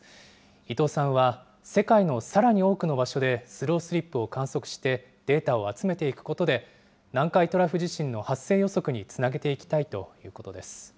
伊藤さんは、世界のさらに多くの場所でスロースリップを観測して、データを集めていくことで、南海トラフ地震の発生予測につなげていきたいということです。